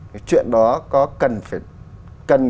cái chuyện đó có cần phải